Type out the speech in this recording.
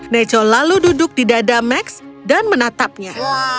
neco lalu duduk di dada max dan menatapnya